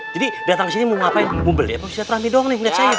jadi datang ke sini mau ngapain mau beli apa sih lihat rame dong lihat saya